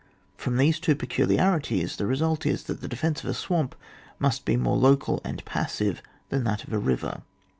From these two peculiarities the result is, that the defence of a swamp must be more local and passive than that of a river.